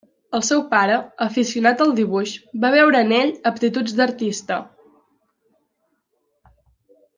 El seu pare, aficionat al dibuix, va veure en ell aptituds d'artista.